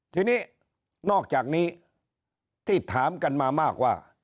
ทีนี้นอกจากนี้ที่ถามกันมามากว่า